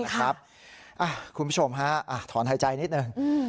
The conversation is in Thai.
คุณผู้ชมฮะถอนหายใจนิดหนึ่ง